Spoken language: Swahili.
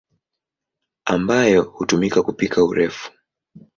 ambayo hutumika kupika urefu.